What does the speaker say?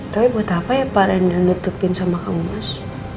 tapi buat apa ya pak renda nutupin sama kamu mas